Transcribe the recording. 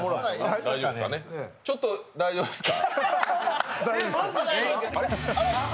ちょっと大丈夫ですか。